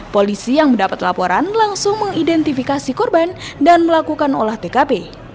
polisi yang mendapat laporan langsung mengidentifikasi korban dan melakukan olah tkp